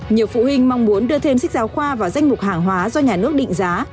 nhiều phụ huynh mong muốn đưa thêm sách giáo khoa vào danh mục hàng hóa do nhà nước định giá